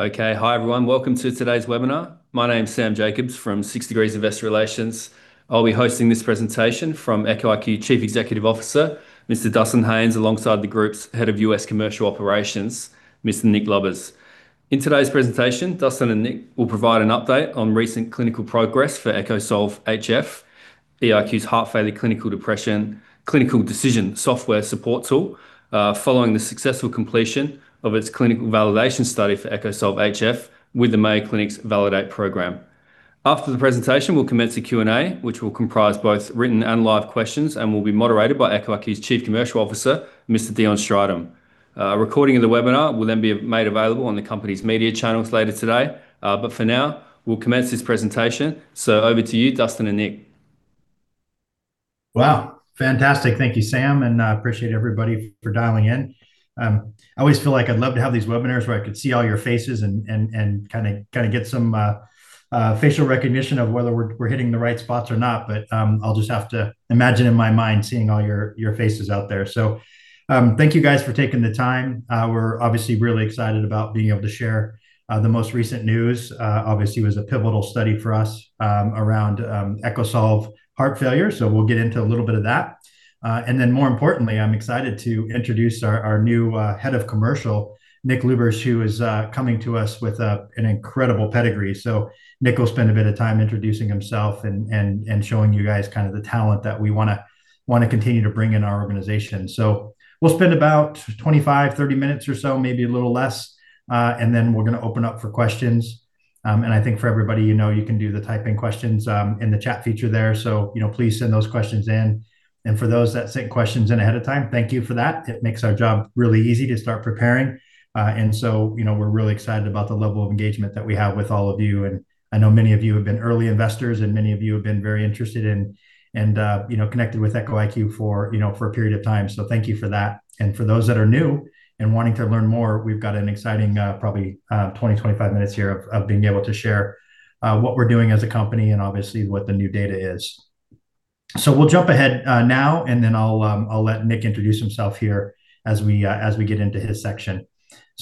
Okay, hi everyone. Welcome to today's webinar. My name is Sam Jacobs from 6 Degrees Investor Relations. I'll be hosting this presentation from Echo IQ Chief Executive Officer, Mr. Dustin Haines, alongside the Group's Head of US Commercial Operations, Mr. Nick Lubbers. In today's presentation, Dustin and Nick will provide an update on recent clinical progress for EchoSolve HF, EIQ's heart failure clinical decision software support tool, following the successful completion of its clinical validation study for EchoSolve HF with the Mayo Clinic's Validate program. After the presentation, we'll commence a Q&A, which will comprise both written and live questions, and will be moderated by Echo IQ's Chief Commercial Officer, Mr. Deon Strydom. A recording of the webinar will then be made available on the company's media channels later today. For now, we'll commence this presentation. Over to you, Dustin and Nick. Wow, fantastic. Thank you, Sam, and I appreciate everybody for dialing in. I always feel like I'd love to have these webinars where I could see all your faces and kind of get some facial recognition of whether we're hitting the right spots or not. I'll just have to imagine in my mind seeing all your faces out there. Thank you guys for taking the time. We're obviously really excited about being able to share the most recent news. Obviously, it was a pivotal study for us around EchoSolve heart failure. We'll get into a little bit of that. More importantly, I'm excited to introduce our new Head of Commercial, Nick Lubbers, who is coming to us with an incredible pedigree. Nick will spend a bit of time introducing himself and showing you guys kind of the talent that we want to continue to bring in our organization. We'll spend about 25-30 minutes or so, maybe a little less. Then we're going to open up for questions. I think for everybody, you know, you can do the typing questions in the chat feature there. Please send those questions in. For those that sent questions in ahead of time, thank you for that. It makes our job really easy to start preparing. We're really excited about the level of engagement that we have with all of you. I know many of you have been early investors, and many of you have been very interested in and connected with Echo IQ for a period of time. Thank you for that. For those that are new and wanting to learn more, we've got an exciting probably 20, 25 minutes here of being able to share what we're doing as a company and obviously what the new data is. We'll jump ahead now, and then I'll let Nick introduce himself here as we get into his section.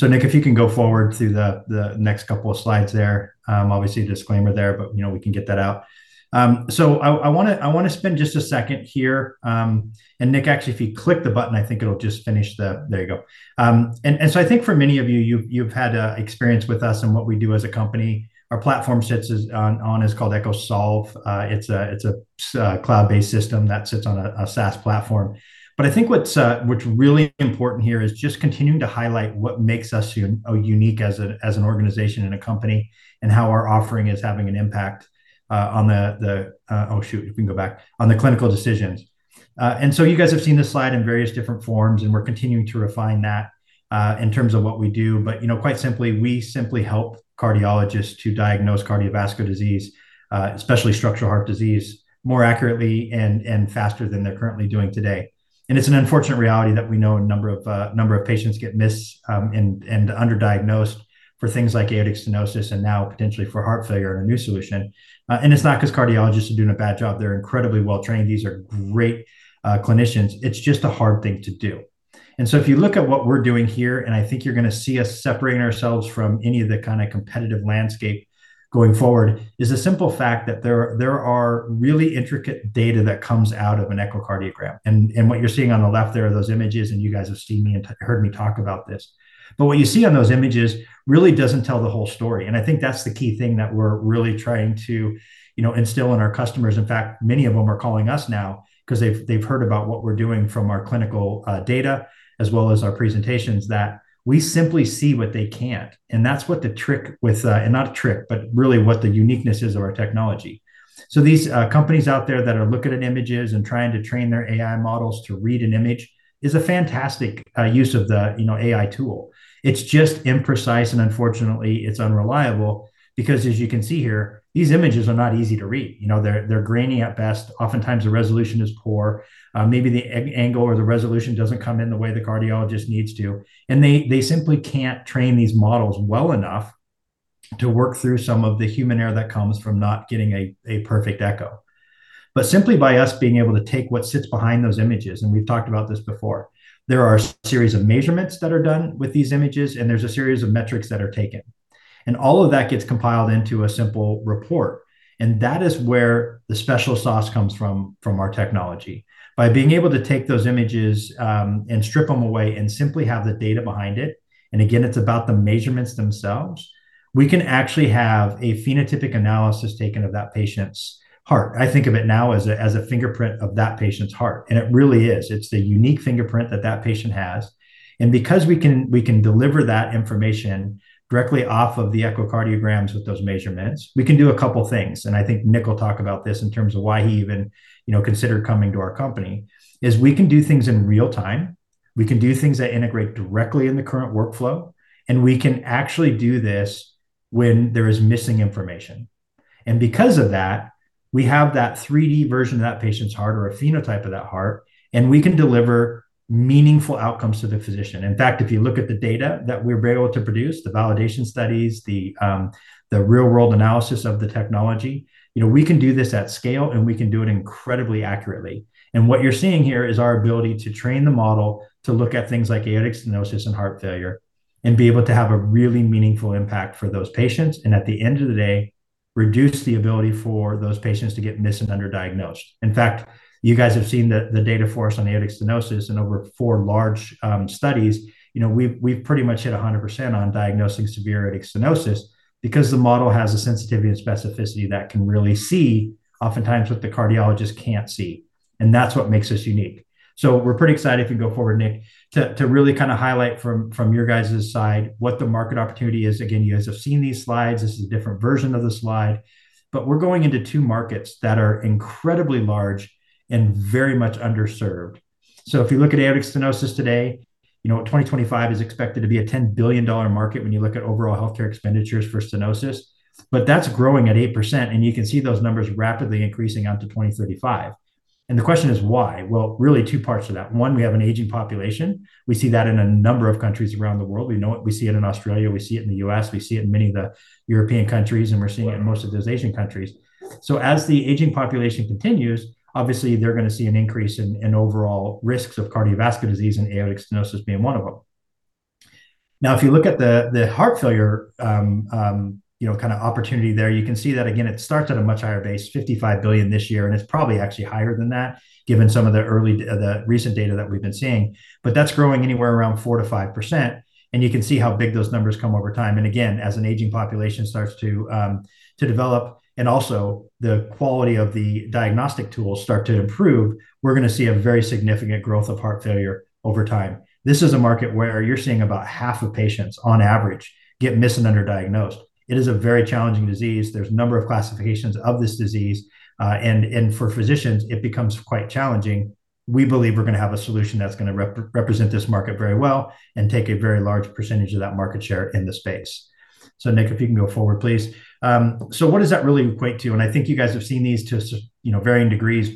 Nick, if you can go forward through the next couple of slides there, obviously disclaimer there, but we can get that out. I want to spend just a second here. Nick, actually, if you click the button, I think it'll just finish the—there you go. I think for many of you, you've had experience with us and what we do as a company. Our platform sits on is called EchoSolve. It's a cloud-based system that sits on a SaaS platform. I think what's really important here is just continuing to highlight what makes us unique as an organization and a company and how our offering is having an impact on the clinical decisions. You guys have seen this slide in various different forms, and we're continuing to refine that in terms of what we do. Quite simply, we simply help cardiologists to diagnose cardiovascular disease, especially structural heart disease, more accurately and faster than they're currently doing today. It's an unfortunate reality that we know a number of patients get missed and underdiagnosed for things like aortic stenosis and now potentially for heart failure in a new solution. It's not because cardiologists are doing a bad job. They're incredibly well trained. These are great clinicians. It's just a hard thing to do. If you look at what we're doing here, and I think you're going to see us separating ourselves from any of the kind of competitive landscape going forward, is the simple fact that there are really intricate data that comes out of an echocardiogram. What you're seeing on the left there are those images, and you guys have seen me and heard me talk about this. What you see on those images really doesn't tell the whole story. I think that's the key thing that we're really trying to instill in our customers. In fact, many of them are calling us now because they've heard about what we're doing from our clinical data as well as our presentations that we simply see what they can't. That's what the trick with—and not a trick, but really what the uniqueness is of our technology. These companies out there that are looking at images and trying to train their AI models to read an image is a fantastic use of the AI tool. It's just imprecise, and unfortunately, it's unreliable because, as you can see here, these images are not easy to read. They're grainy at best. Oftentimes, the resolution is poor. Maybe the angle or the resolution doesn't come in the way the cardiologist needs to. They simply can't train these models well enough to work through some of the human error that comes from not getting a perfect echo. Simply by us being able to take what sits behind those images, and we've talked about this before, there are a series of measurements that are done with these images, and there's a series of metrics that are taken. All of that gets compiled into a simple report. That is where the special sauce comes from our technology. By being able to take those images and strip them away and simply have the data behind it, and again, it's about the measurements themselves, we can actually have a phenotypic analysis taken of that patient's heart. I think of it now as a fingerprint of that patient's heart. It really is. It's the unique fingerprint that that patient has. Because we can deliver that information directly off of the echocardiograms with those measurements, we can do a couple of things. I think Nick will talk about this in terms of why he even considered coming to our company, is we can do things in real time. We can do things that integrate directly in the current workflow, and we can actually do this when there is missing information. Because of that, we have that 3D version of that patient's heart or a phenotype of that heart, and we can deliver meaningful outcomes to the physician. In fact, if you look at the data that we're able to produce, the validation studies, the real-world analysis of the technology, we can do this at scale, and we can do it incredibly accurately. What you're seeing here is our ability to train the model to look at things like aortic stenosis and heart failure and be able to have a really meaningful impact for those patients. At the end of the day, reduce the ability for those patients to get missed and underdiagnosed. In fact, you guys have seen the data for us on aortic stenosis in over four large studies. We've pretty much hit 100% on diagnosing severe aortic stenosis because the model has a sensitivity and specificity that can really see oftentimes what the cardiologist can't see. That's what makes us unique. We're pretty excited if you can go forward, Nick, to really kind of highlight from your guys' side what the market opportunity is. Again, you guys have seen these slides. This is a different version of the slide. We're going into two markets that are incredibly large and very much underserved. If you look at aortic stenosis today, 2025 is expected to be a $10 billion market when you look at overall healthcare expenditures for stenosis. That's growing at 8%. You can see those numbers rapidly increasing out to 2035. The question is, why? Really two parts to that. One, we have an aging population. We see that in a number of countries around the world. We see it in Australia. We see it in the US. We see it in many of the European countries. We're seeing it in most of those Asian countries. As the aging population continues, obviously, they're going to see an increase in overall risks of cardiovascular disease and aortic stenosis being one of them. Now, if you look at the heart failure kind of opportunity there, you can see that, again, it starts at a much higher base, $55 billion this year. It's probably actually higher than that, given some of the recent data that we've been seeing. That's growing anywhere around 4%-5%. You can see how big those numbers come over time. Again, as an aging population starts to develop and also the quality of the diagnostic tools start to improve, we're going to see a very significant growth of heart failure over time. This is a market where you're seeing about half of patients on average get missed and underdiagnosed. It is a very challenging disease. There's a number of classifications of this disease. For physicians, it becomes quite challenging. We believe we're going to have a solution that's going to represent this market very well and take a very large percentage of that market share in the space. Nick, if you can go forward, please. What does that really equate to? I think you guys have seen these to varying degrees.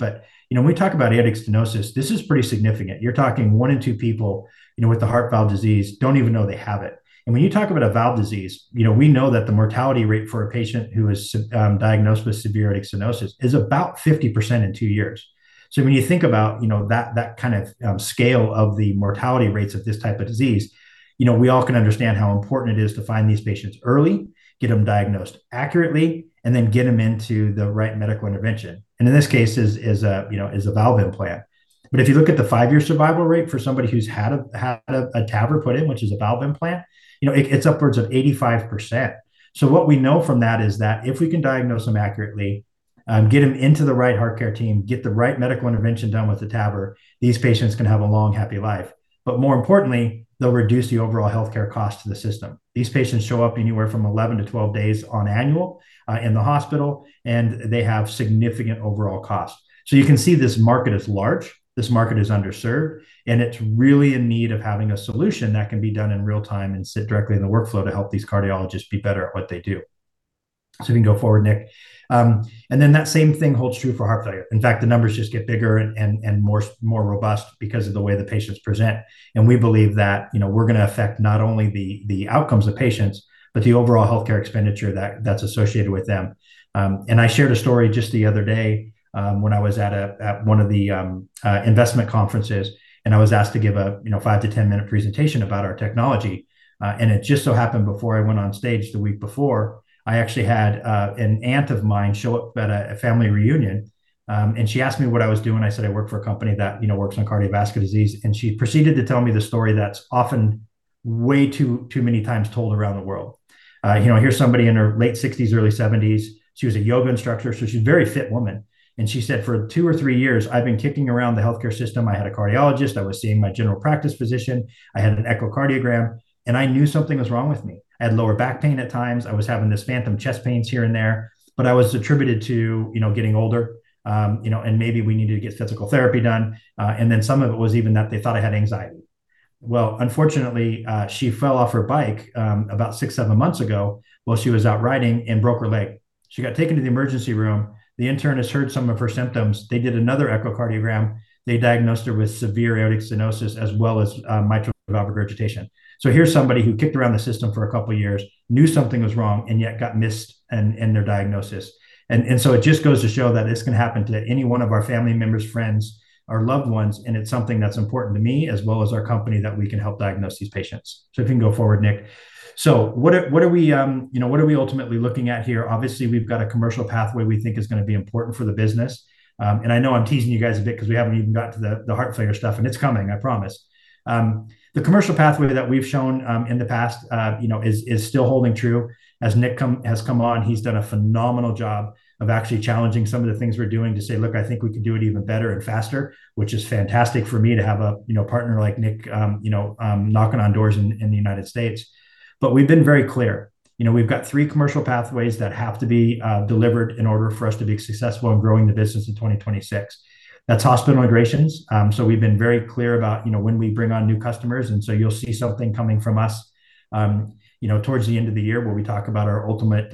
When we talk about aortic stenosis, this is pretty significant. You're talking one in two people with a heart valve disease don't even know they have it. When you talk about a valve disease, we know that the mortality rate for a patient who is diagnosed with severe aortic stenosis is about 50% in two years. When you think about that kind of scale of the mortality rates of this type of disease, we all can understand how important it is to find these patients early, get them diagnosed accurately, and then get them into the right medical intervention. In this case, it's a valve implant. If you look at the five-year survival rate for somebody who's had a TAVR put in, which is a valve implant, it's upwards of 85%. What we know from that is that if we can diagnose them accurately, get them into the right heart care team, get the right medical intervention done with the TAVR, these patients can have a long, happy life. More importantly, they'll reduce the overall healthcare cost to the system. These patients show up anywhere from 11-12 days annually in the hospital, and they have significant overall cost. You can see this market is large. This market is underserved. It is really in need of having a solution that can be done in real time and sit directly in the workflow to help these cardiologists be better at what they do. You can go forward, Nick. That same thing holds true for heart failure. In fact, the numbers just get bigger and more robust because of the way the patients present. We believe that we're going to affect not only the outcomes of patients, but the overall healthcare expenditure that's associated with them. I shared a story just the other day when I was at one of the investment conferences, and I was asked to give a 5-10 minute presentation about our technology. It just so happened before I went on stage the week before, I actually had an aunt of mine show up at a family reunion. She asked me what I was doing. I said, "I work for a company that works on cardiovascular disease." She proceeded to tell me the story that's often way too many times told around the world. Here's somebody in her late 60s, early 70s. She was a yoga instructor. She's a very fit woman. She said, "For two or three years, I've been kicking around the healthcare system. I had a cardiologist. I was seeing my general practice physician. I had an echocardiogram. I knew something was wrong with me. I had lower back pain at times. I was having these phantom chest pains here and there. I attributed it to getting older. Maybe we needed to get physical therapy done. Some of it was even that they thought I had anxiety." Unfortunately, she fell off her bike about six or seven months ago while she was out riding and broke her leg. She got taken to the emergency room. The internist heard some of her symptoms. They did another echocardiogram. They diagnosed her with severe aortic stenosis as well as mitral valve regurgitation. Here's somebody who kicked around the system for a couple of years, knew something was wrong, and yet got missed in their diagnosis. It just goes to show that this can happen to any one of our family members, friends, or loved ones. It's something that's important to me as well as our company that we can help diagnose these patients. If you can go forward, Nick. What are we ultimately looking at here? Obviously, we've got a commercial pathway we think is going to be important for the business. I know I'm teasing you guys a bit because we haven't even gotten to the heart failure stuff. It's coming, I promise. The commercial pathway that we've shown in the past is still holding true. As Nick has come on, he's done a phenomenal job of actually challenging some of the things we're doing to say, "Look, I think we can do it even better and faster," which is fantastic for me to have a partner like Nick knocking on doors in the United States. We have been very clear. We've got three commercial pathways that have to be delivered in order for us to be successful in growing the business in 2026. That is hospital integrations. We have been very clear about when we bring on new customers. You will see something coming from us towards the end of the year where we talk about our ultimate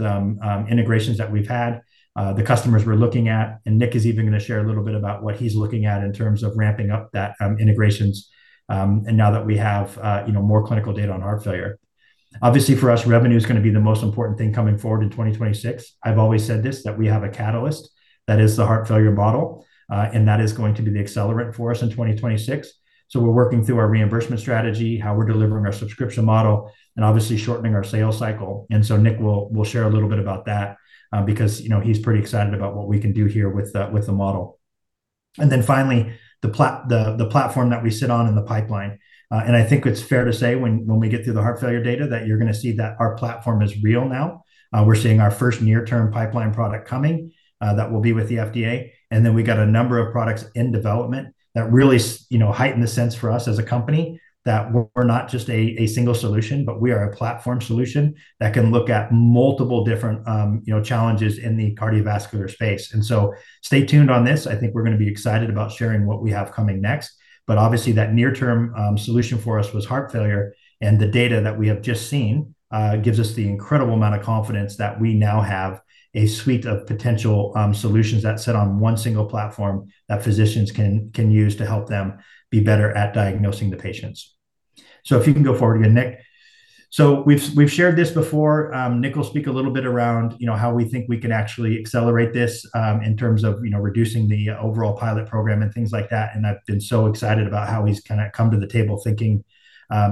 integrations that we've had, the customers we're looking at. Nick is even going to share a little bit about what he's looking at in terms of ramping up that integrations now that we have more clinical data on heart failure. Obviously, for us, revenue is going to be the most important thing coming forward in 2026. I've always said this that we have a catalyst that is the heart failure model. That is going to be the accelerant for us in 2026. We're working through our reimbursement strategy, how we're delivering our subscription model, and obviously shortening our sales cycle. Nick will share a little bit about that because he's pretty excited about what we can do here with the model. Finally, the platform that we sit on in the pipeline. I think it's fair to say when we get through the heart failure data that you're going to see that our platform is real now. We're seeing our first near-term pipeline product coming that will be with the FDA. We've got a number of products in development that really heighten the sense for us as a company that we're not just a single solution, but we are a platform solution that can look at multiple different challenges in the cardiovascular space. Stay tuned on this. I think we're going to be excited about sharing what we have coming next. Obviously, that near-term solution for us was heart failure. The data that we have just seen gives us the incredible amount of confidence that we now have a suite of potential solutions that sit on one single platform that physicians can use to help them be better at diagnosing the patients. If you can go forward again, Nick. We have shared this before. Nick will speak a little bit around how we think we can actually accelerate this in terms of reducing the overall pilot program and things like that. I have been so excited about how he has kind of come to the table thinking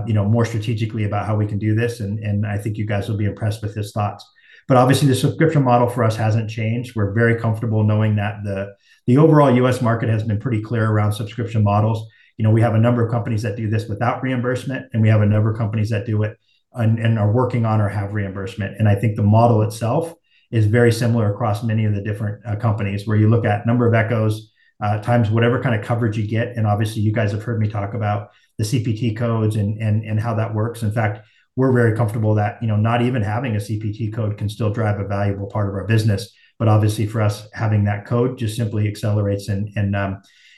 more strategically about how we can do this. I think you guys will be impressed with his thoughts. Obviously, the subscription model for us has not changed. We are very comfortable knowing that the overall US market has been pretty clear around subscription models. We have a number of companies that do this without reimbursement. We have a number of companies that do it and are working on or have reimbursement. I think the model itself is very similar across many of the different companies where you look at number of echoes times whatever kind of coverage you get. Obviously, you guys have heard me talk about the CPT codes and how that works. In fact, we are very comfortable that not even having a CPT code can still drive a valuable part of our business. Obviously, for us, having that code just simply accelerates and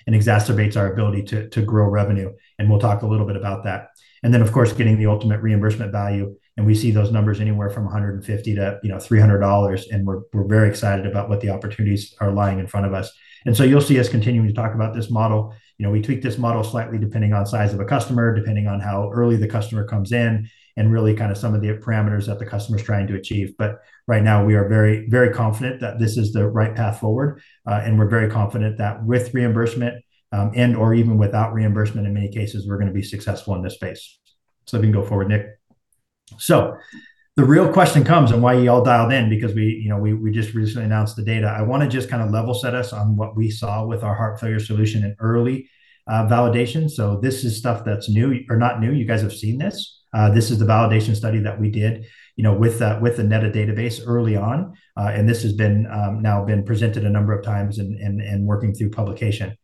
exacerbates our ability to grow revenue. We will talk a little bit about that. Of course, getting the ultimate reimbursement value. We see those numbers anywhere from $150-$300. We are very excited about what the opportunities are lying in front of us. You will see us continuing to talk about this model. We tweak this model slightly depending on the size of a customer, depending on how early the customer comes in, and really kind of some of the parameters that the customer is trying to achieve. Right now, we are very confident that this is the right path forward. We are very confident that with reimbursement and/or even without reimbursement, in many cases, we are going to be successful in this space. If you can go forward, Nick. The real question comes, and why you all dialed in, because we just recently announced the data. I want to just kind of level set us on what we saw with our heart failure solution and early validation. This is stuff that's new or not new. You guys have seen this. This is the validation study that we did with the metadatabase early on. This has now been presented a number of times and working through publication.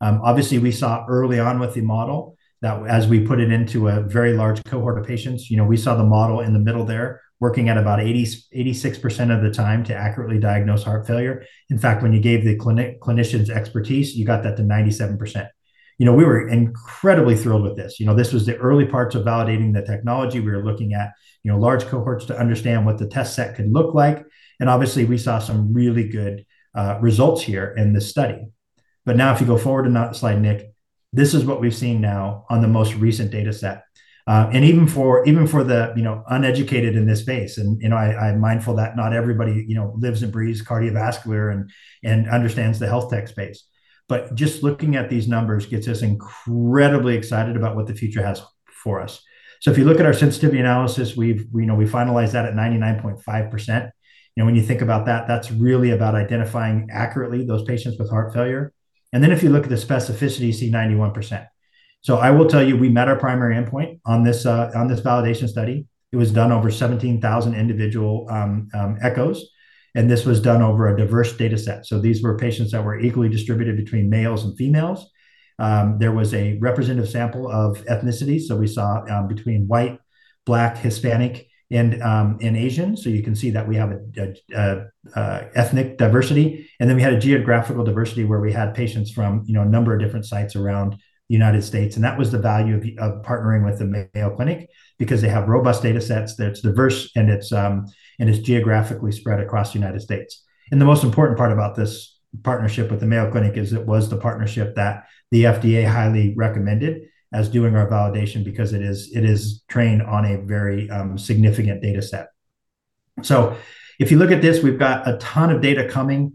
Obviously, we saw early on with the model that as we put it into a very large cohort of patients, we saw the model in the middle there working at about 86% of the time to accurately diagnose heart failure. In fact, when you gave the clinicians expertise, you got that to 97%. We were incredibly thrilled with this. This was the early parts of validating the technology. We were looking at large cohorts to understand what the test set could look like. Obviously, we saw some really good results here in the study. If you go forward to the next slide, Nick, this is what we've seen now on the most recent data set. Even for the uneducated in this space, and I'm mindful that not everybody lives and breathes cardiovascular and understands the health tech space. Just looking at these numbers gets us incredibly excited about what the future has for us. If you look at our sensitivity analysis, we finalized that at 99.5%. When you think about that, that's really about identifying accurately those patients with heart failure. If you look at the specificity, you see 91%. I will tell you, we met our primary endpoint on this validation study. It was done over 17,000 individual echoes. This was done over a diverse data set. These were patients that were equally distributed between males and females. There was a representative sample of ethnicity. You know, we saw between white, black, Hispanic, and Asian. You can see that we have an ethnic diversity. We had a geographical diversity where we had patients from a number of different sites around the United States. That was the value of partnering with the Mayo Clinic because they have robust data sets. It's diverse, and it's geographically spread across the United States. The most important part about this partnership with the Mayo Clinic is it was the partnership that the FDA highly recommended as doing our validation because it is trained on a very significant data set. If you look at this, we've got a ton of data coming.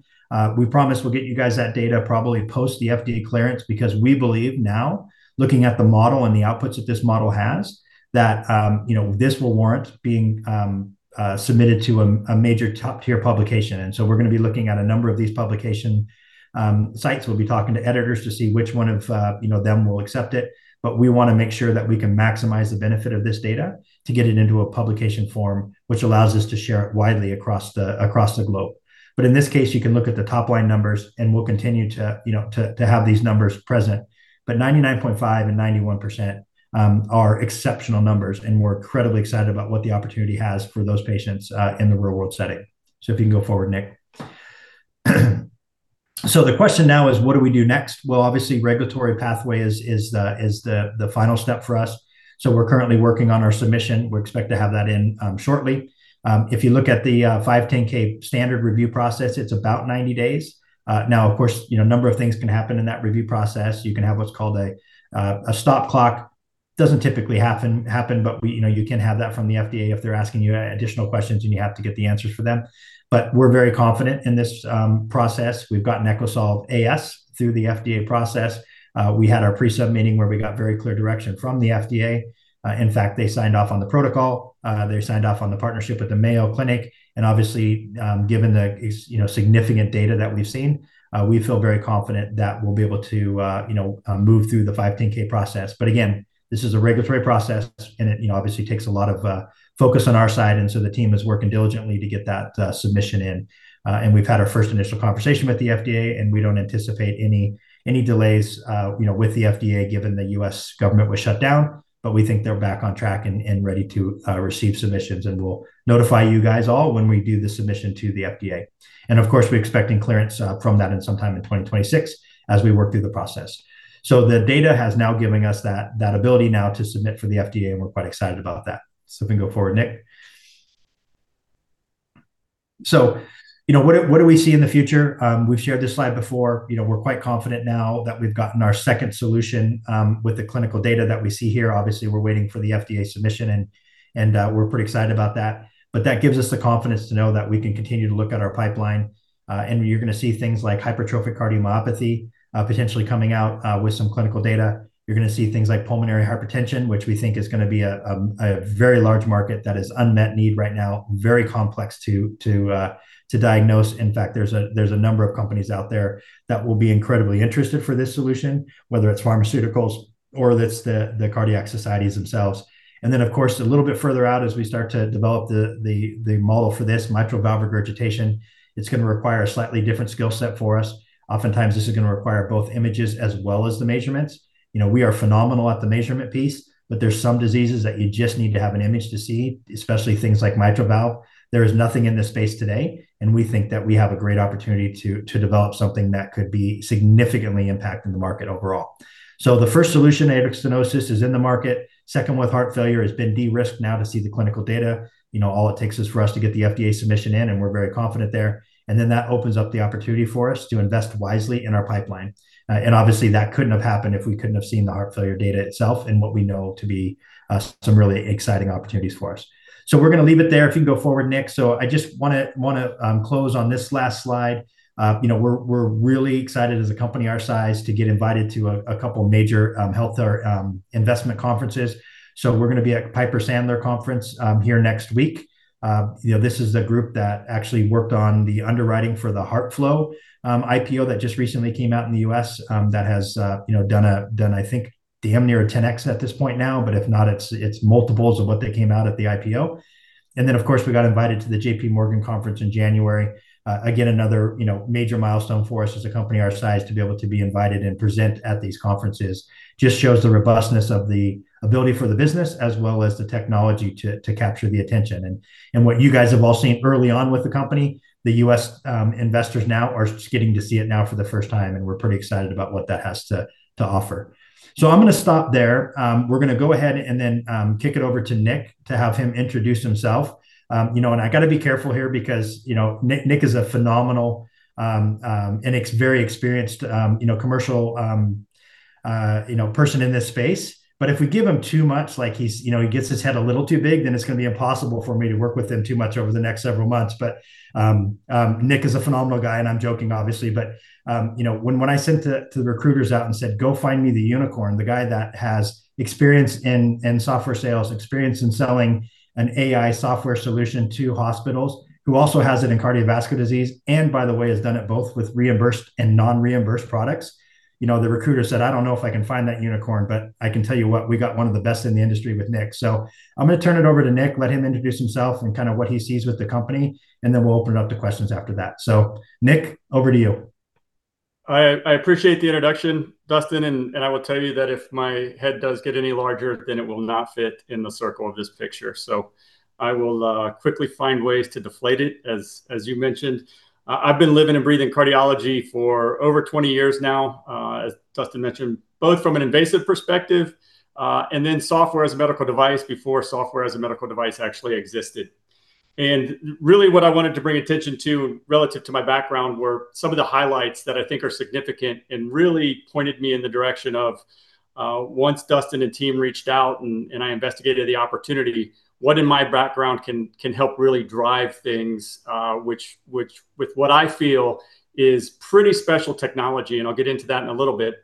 We promise we'll get you guys that data probably post the FDA clearance because we believe now, looking at the model and the outputs that this model has, that this will warrant being submitted to a major top-tier publication. We are going to be looking at a number of these publication sites. We'll be talking to editors to see which one of them will accept it. We want to make sure that we can maximize the benefit of this data to get it into a publication form, which allows us to share it widely across the globe. In this case, you can look at the top-line numbers, and we'll continue to have these numbers present. 99.5% and 91% are exceptional numbers. We are incredibly excited about what the opportunity has for those patients in the real-world setting. If you can go forward, Nick. The question now is, what do we do next? Obviously, regulatory pathway is the final step for us. We are currently working on our submission. We expect to have that in shortly. If you look at the 510(k) standard review process, it is about 90 days. Of course, a number of things can happen in that review process. You can have what is called a stop clock. It does not typically happen, but you can have that from the FDA if they are asking you additional questions and you have to get the answers for them. We are very confident in this process. We have gotten EchoSolve AS through the FDA process. We had our pre-sub meeting where we got very clear direction from the FDA. In fact, they signed off on the protocol. They signed off on the partnership with the Mayo Clinic. Obviously, given the significant data that we've seen, we feel very confident that we'll be able to move through the 510(k) process. This is a regulatory process, and it obviously takes a lot of focus on our side. The team is working diligently to get that submission in. We've had our first initial conversation with the FDA, and we don't anticipate any delays with the FDA given the U.S. government was shut down. We think they're back on track and ready to receive submissions. We'll notify you guys all when we do the submission to the FDA. Of course, we're expecting clearance from that in some time in 2026 as we work through the process. The data has now given us that ability now to submit for the FDA, and we're quite excited about that. If you can go forward, Nick. What do we see in the future? We've shared this slide before. We're quite confident now that we've gotten our second solution with the clinical data that we see here. Obviously, we're waiting for the FDA submission, and we're pretty excited about that. That gives us the confidence to know that we can continue to look at our pipeline. You're going to see things like hypertrophic cardiomyopathy potentially coming out with some clinical data. You're going to see things like pulmonary hypertension, which we think is going to be a very large market that is unmet need right now, very complex to diagnose. In fact, there's a number of companies out there that will be incredibly interested for this solution, whether it's pharmaceuticals or it's the cardiac societies themselves. Of course, a little bit further out as we start to develop the model for this mitral valve regurgitation, it's going to require a slightly different skill set for us. Oftentimes, this is going to require both images as well as the measurements. We are phenomenal at the measurement piece, but there are some diseases that you just need to have an image to see, especially things like mitral valve. There is nothing in this space today. We think that we have a great opportunity to develop something that could be significantly impacting the market overall. The first solution, aortic stenosis, is in the market. Second, with heart failure, it's been de-risked now to see the clinical data. All it takes is for us to get the FDA submission in, and we're very confident there. That opens up the opportunity for us to invest wisely in our pipeline. Obviously, that could not have happened if we could not have seen the heart failure data itself and what we know to be some really exciting opportunities for us. We are going to leave it there. If you can go forward, Nick. I just want to close on this last slide. We are really excited as a company our size to get invited to a couple of major health investment conferences. We are going to be at Piper Sandler Conference here next week. This is a group that actually worked on the underwriting for the HeartFlow IPO that just recently came out in the US that has done, I think, damn near a 10X at this point now, but if not, it is multiples of what they came out at the IPO. Of course, we got invited to the JPMorgan conference in January. Again, another major milestone for us as a company our size to be able to be invited and present at these conferences just shows the robustness of the ability for the business as well as the technology to capture the attention. What you guys have all seen early on with the company, the US investors now are just getting to see it now for the first time. We're pretty excited about what that has to offer. I'm going to stop there. We're going to go ahead and kick it over to Nick to have him introduce himself. I got to be careful here because Nick is a phenomenal and very experienced commercial person in this space. If we give him too much, like he gets his head a little too big, then it's going to be impossible for me to work with him too much over the next several months. Nick is a phenomenal guy. I'm joking, obviously. When I sent the recruiters out and said, "Go find me the unicorn," the guy that has experience in software sales, experience in selling an AI software solution to hospitals who also has it in cardiovascular disease and, by the way, has done it both with reimbursed and non-reimbursed products, the recruiter said, "I don't know if I can find that unicorn, but I can tell you what, we got one of the best in the industry with Nick." I'm going to turn it over to Nick, let him introduce himself and kind of what he sees with the company. We will open it up to questions after that. Nick, over to you. I appreciate the introduction, Dustin. I will tell you that if my head does get any larger, then it will not fit in the circle of this picture. I will quickly find ways to deflate it, as you mentioned. I have been living and breathing cardiology for over 20 years now, as Dustin mentioned, both from an invasive perspective and then software as a medical device before software as a medical device actually existed. What I wanted to bring attention to relative to my background were some of the highlights that I think are significant and really pointed me in the direction of once Dustin and team reached out and I investigated the opportunity, what in my background can help really drive things, which with what I feel is pretty special technology. I'll get into that in a little bit.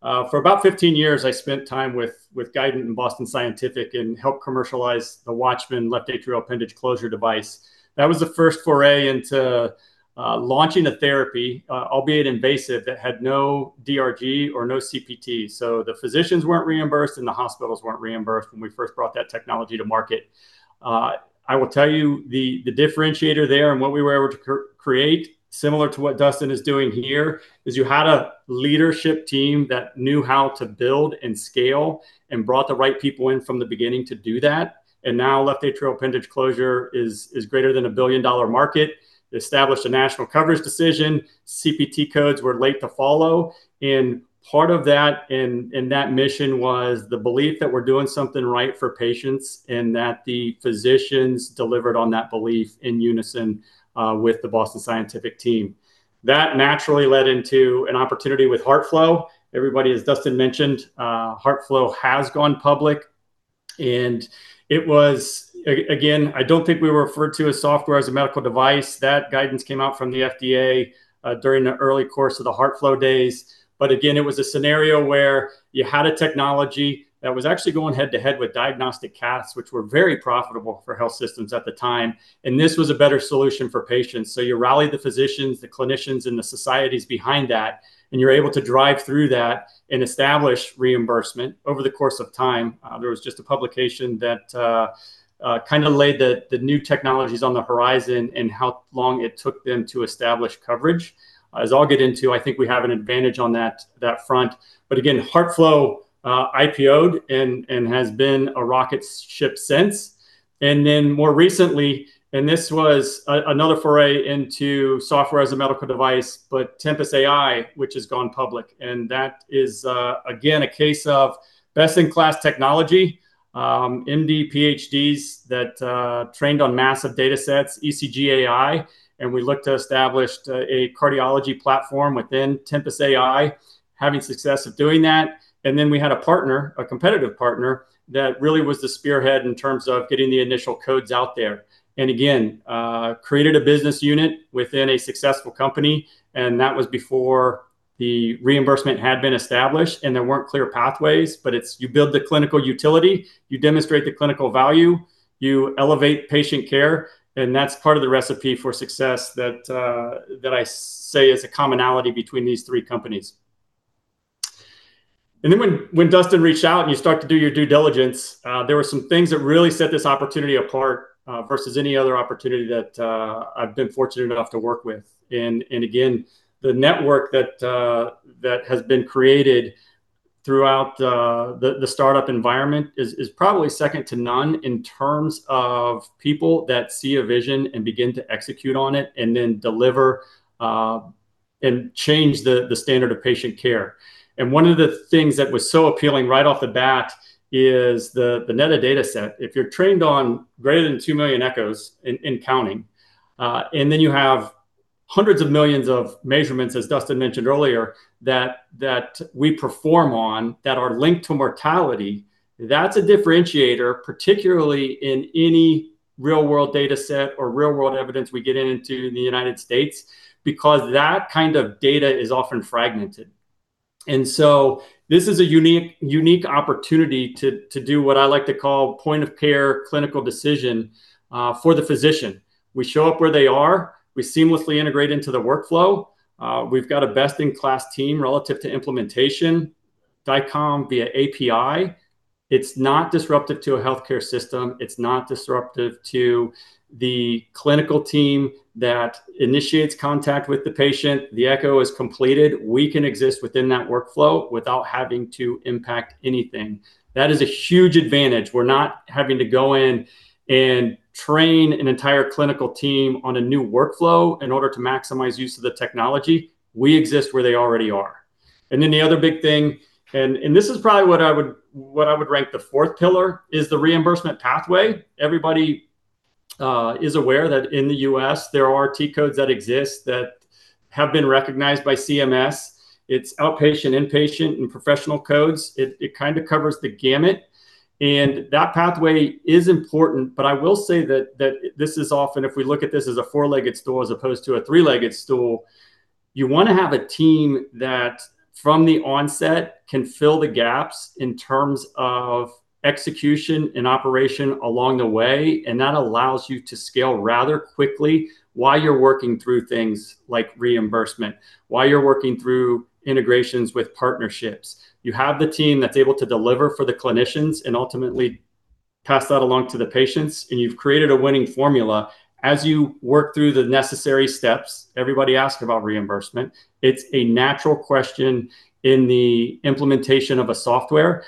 For about 15 years, I spent time with Guidant and Boston Scientific and helped commercialize the Watchman left atrial appendage closure device. That was the first foray into launching a therapy, albeit invasive, that had no DRG or no CPT. The physicians were not reimbursed, and the hospitals were not reimbursed when we first brought that technology to market. I will tell you the differentiator there and what we were able to create, similar to what Dustin is doing here, is you had a leadership team that knew how to build and scale and brought the right people in from the beginning to do that. Now left atrial appendage closure is greater than a billion-dollar market, established a national coverage decision. CPT codes were late to follow. Part of that in that mission was the belief that we're doing something right for patients and that the physicians delivered on that belief in unison with the Boston Scientific team. That naturally led into an opportunity with HeartFlow. Everybody, as Dustin mentioned, HeartFlow has gone public. It was, again, I don't think we were referred to as software as a medical device. That guidance came out from the FDA during the early course of the HeartFlow days. Again, it was a scenario where you had a technology that was actually going head-to-head with diagnostic casts, which were very profitable for health systems at the time. This was a better solution for patients. You rallied the physicians, the clinicians, and the societies behind that, and you're able to drive through that and establish reimbursement over the course of time. There was just a publication that kind of laid the new technologies on the horizon and how long it took them to establish coverage. As I'll get into, I think we have an advantage on that front. Again, HeartFlow IPO'd and has been a rocket ship since. More recently, and this was another foray into software as a medical device, Tempus AI, which has gone public. That is, again, a case of best-in-class technology, MD, PhDs that trained on massive data sets, ECG AI. We looked to establish a cardiology platform within Tempus AI, having success of doing that. We had a partner, a competitive partner that really was the spearhead in terms of getting the initial codes out there. Again, created a business unit within a successful company. That was before the reimbursement had been established. There were not clear pathways, but you build the clinical utility, you demonstrate the clinical value, you elevate patient care. That is part of the recipe for success that I say is a commonality between these three companies. When Dustin reached out and you start to do your due diligence, there were some things that really set this opportunity apart versus any other opportunity that I have been fortunate enough to work with. The network that has been created throughout the startup environment is probably second to none in terms of people that see a vision and begin to execute on it and then deliver and change the standard of patient care. One of the things that was so appealing right off the bat is the metadata set. If you're trained on greater than 2 million echoes and counting, and then you have hundreds of millions of measurements, as Dustin mentioned earlier, that we perform on that are linked to mortality, that's a differentiator, particularly in any real-world data set or real-world evidence we get into in the United States because that kind of data is often fragmented. This is a unique opportunity to do what I like to call point-of-care clinical decision for the physician. We show up where they are. We seamlessly integrate into the workflow. We've got a best-in-class team relative to implementation, DICOM via API. It's not disruptive to a healthcare system. It's not disruptive to the clinical team that initiates contact with the patient. The echo is completed. We can exist within that workflow without having to impact anything. That is a huge advantage. We're not having to go in and train an entire clinical team on a new workflow in order to maximize use of the technology. We exist where they already are. The other big thing, and this is probably what I would rank the fourth pillar, is the reimbursement pathway. Everybody is aware that in the US, there are T codes that exist that have been recognized by CMS. It's outpatient, inpatient, and professional codes. It kind of covers the gamut. That pathway is important. I will say that this is often, if we look at this as a four-legged stool as opposed to a three-legged stool, you want to have a team that from the onset can fill the gaps in terms of execution and operation along the way. That allows you to scale rather quickly while you're working through things like reimbursement, while you're working through integrations with partnerships. You have the team that's able to deliver for the clinicians and ultimately pass that along to the patients. You've created a winning formula. As you work through the necessary steps, everybody asks about reimbursement. It's a natural question in the implementation of a software.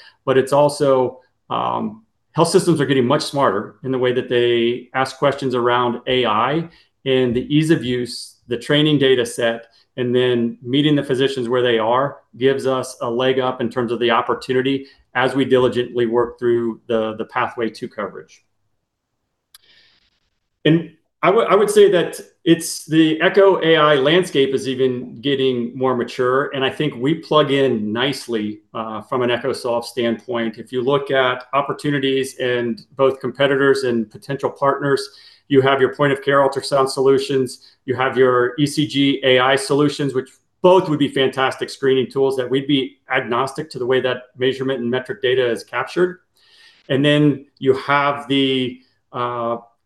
Health systems are getting much smarter in the way that they ask questions around AI. The ease of use, the training data set, and then meeting the physicians where they are gives us a leg up in terms of the opportunity as we diligently work through the pathway to coverage. I would say that the Echo AI landscape is even getting more mature. I think we plug in nicely from an EchoSolv standpoint. If you look at opportunities and both competitors and potential partners, you have your point-of-care ultrasound solutions. You have your ECG AI solutions, which both would be fantastic screening tools that we'd be agnostic to the way that measurement and metric data is captured. You have the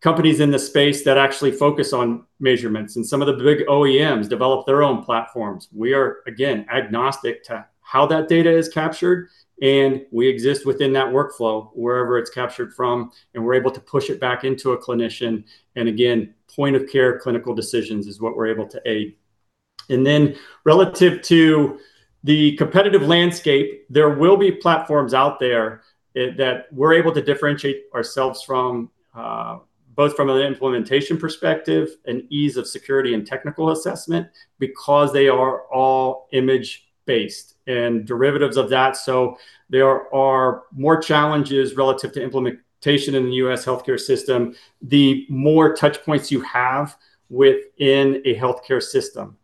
companies in the space that actually focus on measurements. Some of the big OEMs develop their own platforms. We are, again, agnostic to how that data is captured. We exist within that workflow wherever it's captured from. We're able to push it back into a clinician. Point-of-care clinical decisions is what we're able to aid. Relative to the competitive landscape, there will be platforms out there that we're able to differentiate ourselves from both from an implementation perspective and ease of security and technical assessment because they are all image-based and derivatives of that. There are more challenges relative to implementation in the U.S. healthcare system. The more touchpoints you have within a healthcare system,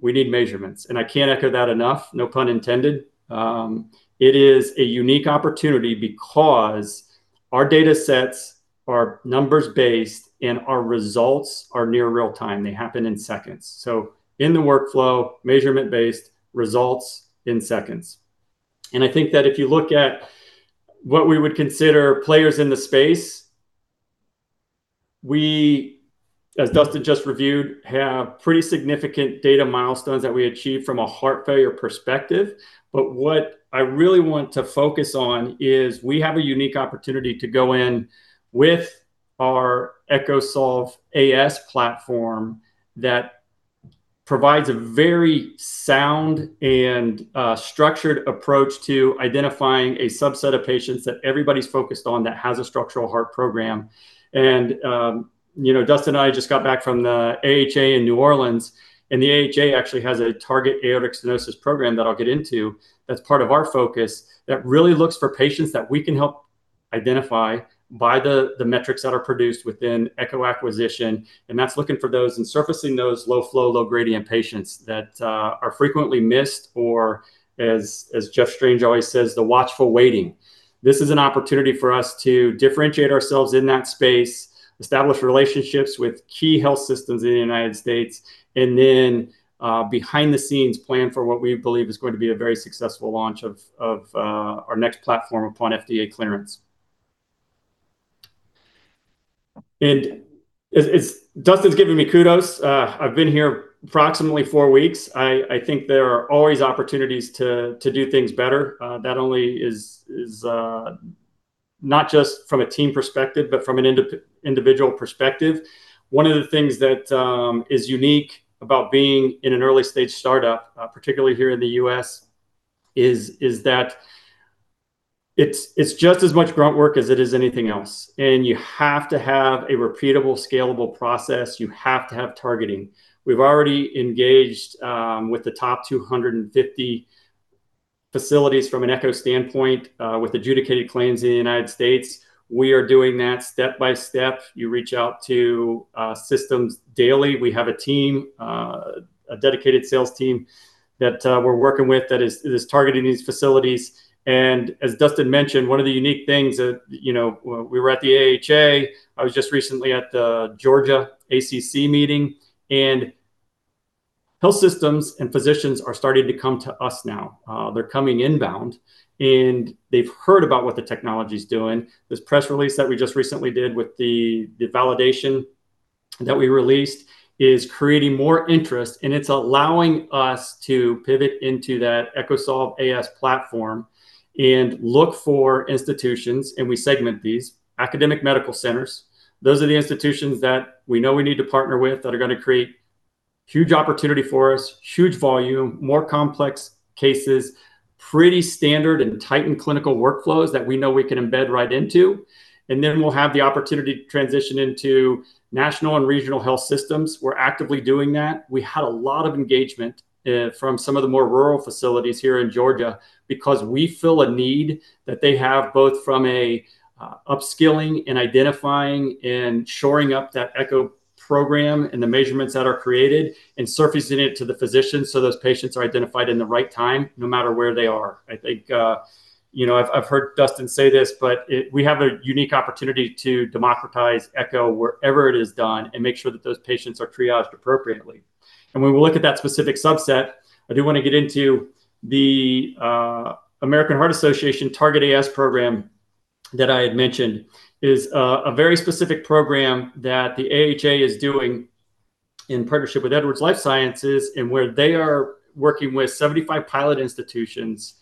we need measurements. I can't echo that enough, no pun intended. It is a unique opportunity because our data sets are numbers-based and our results are near real-time. They happen in seconds. In the workflow, measurement-based, results in seconds. I think that if you look at what we would consider players in the space, we, as Dustin just reviewed, have pretty significant data milestones that we achieve from a heart failure perspective. What I really want to focus on is we have a unique opportunity to go in with our EchoSolve AS platform that provides a very sound and structured approach to identifying a subset of patients that everybody's focused on that has a structural heart program. Dustin and I just got back from the AHA in New Orleans. The AHA actually has a Target AS program that I'll get into that's part of our focus that really looks for patients that we can help identify by the metrics that are produced within Echo Acquisition. That's looking for those and surfacing those low-flow, low-gradient patients that are frequently missed or, as Jeff Strange always says, the watchful waiting. This is an opportunity for us to differentiate ourselves in that space, establish relationships with key health systems in the United States, and then behind the scenes plan for what we believe is going to be a very successful launch of our next platform upon FDA clearance. Dustin's giving me kudos. I've been here approximately four weeks. I think there are always opportunities to do things better. That only is not just from a team perspective, but from an individual perspective. One of the things that is unique about being in an early-stage startup, particularly here in the US, is that it's just as much grunt work as it is anything else. You have to have a repeatable, scalable process. You have to have targeting. We've already engaged with the top 250 facilities from an Echo standpoint with adjudicated claims in the United States. We are doing that step by step. You reach out to systems daily. We have a team, a dedicated sales team that we're working with that is targeting these facilities. As Dustin mentioned, one of the unique things that we were at the AHA, I was just recently at the Georgia ACC meeting. Health systems and physicians are starting to come to us now. They're coming inbound. They've heard about what the technology is doing. This press release that we just recently did with the validation that we released is creating more interest. It's allowing us to pivot into that EchoSolve AS platform and look for institutions. We segment these academic medical centers. Those are the institutions that we know we need to partner with that are going to create huge opportunity for us, huge volume, more complex cases, pretty standard and tightened clinical workflows that we know we can embed right into. We'll have the opportunity to transition into national and regional health systems. We're actively doing that. We had a lot of engagement from some of the more rural facilities here in Georgia because we fill a need that they have both from an upskilling and identifying and shoring up that Echo program and the measurements that are created and surfacing it to the physicians so those patients are identified in the right time no matter where they are. I think I've heard Dustin say this, but we have a unique opportunity to democratize Echo wherever it is done and make sure that those patients are triaged appropriately. When we look at that specific subset, I do want to get into the American Heart Association Target AS program that I had mentioned is a very specific program that the AHA is doing in partnership with Edwards Lifesciences and where they are working with 75 pilot institutions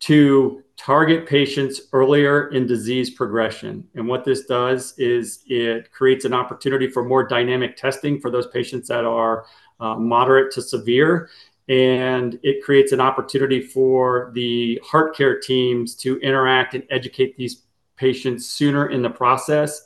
to target patients earlier in disease progression. What this does is it creates an opportunity for more dynamic testing for those patients that are moderate to severe. It creates an opportunity for the heart care teams to interact and educate these patients sooner in the process.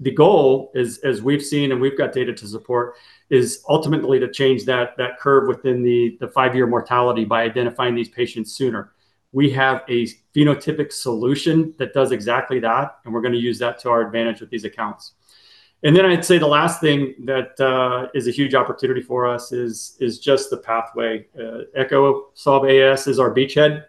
The goal, as we've seen and we've got data to support, is ultimately to change that curve within the five-year mortality by identifying these patients sooner. We have a phenotypic solution that does exactly that. We're going to use that to our advantage with these accounts. I'd say the last thing that is a huge opportunity for us is just the pathway. EchoSolve AS is our beachhead.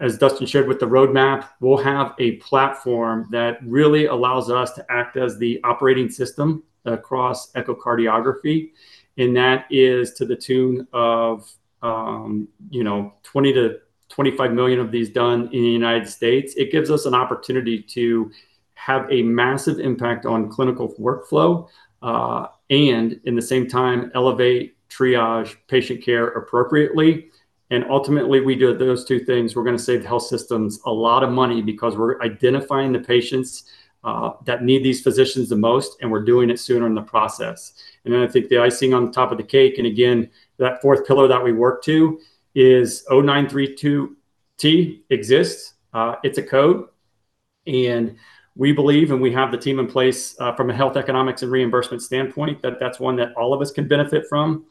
As Dustin shared with the roadmap, we'll have a platform that really allows us to act as the operating system across echocardiography. That is to the tune of 20-25 million of these done in the United States. It gives us an opportunity to have a massive impact on clinical workflow and, at the same time, elevate, triage patient care appropriately. Ultimately, if we do those two things, we are going to save health systems a lot of money because we are identifying the patients that need these physicians the most. We are doing it sooner in the process. I think the icing on the top of the cake, and again, that fourth pillar that we work to is 0932T exists. It is a code. We believe, and we have the team in place from a health economics and reimbursement standpoint, that that is one that all of us can benefit from.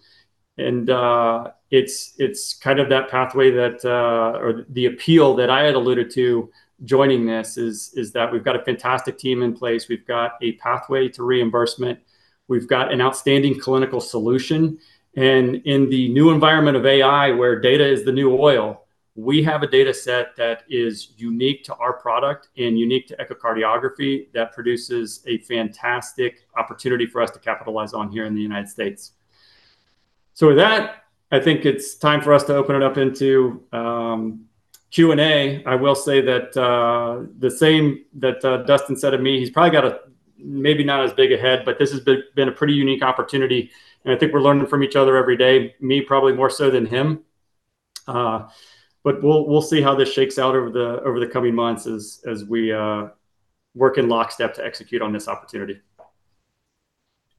It is kind of that pathway or the appeal that I had alluded to joining this is that we have got a fantastic team in place. We have got a pathway to reimbursement. We have got an outstanding clinical solution. In the new environment of AI, where data is the new oil, we have a data set that is unique to our product and unique to echocardiography that produces a fantastic opportunity for us to capitalize on here in the United States. With that, I think it is time for us to open it up into Q&A. I will say that the same that Dustin said of me, he has probably got a maybe not as big a head, but this has been a pretty unique opportunity. I think we are learning from each other every day, me probably more so than him. We will see how this shakes out over the coming months as we work in lockstep to execute on this opportunity.